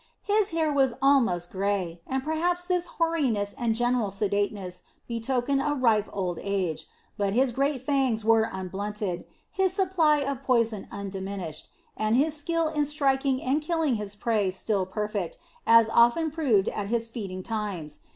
His hair was almost gray and perhaps this hoariness and general sedateness betokened a ripe old age. But his great fangs were unblunted, his supply of poison undiminished, and his skill in striking and killing his prey still perfect, as often proved at his feeding times.